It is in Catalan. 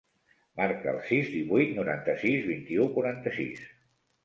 Marca el sis, divuit, noranta-sis, vint-i-u, quaranta-sis.